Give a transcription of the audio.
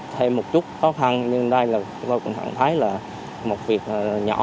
thêm một chút khó khăn nhưng đây là tôi cũng thấy là một việc nhỏ